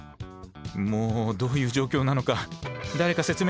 もうどういう状況なのか誰か説明して下さい。